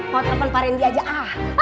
mau telepon parennya aja